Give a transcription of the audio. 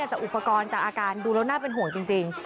จากอุปกรณ์จากอาการดูแล้วน่าเป็นห่วงจริง